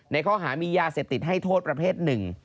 ในข้อหามียาเสพติดให้โทษประเภทหนึ่ง